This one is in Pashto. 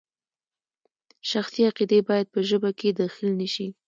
شخصي عقیدې باید په ژبه کې دخیل نشي.